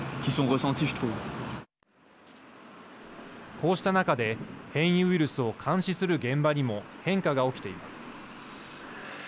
こうした中で変異ウイルスを監視する現場にも変化が起きています。